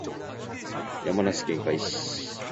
山梨県甲斐市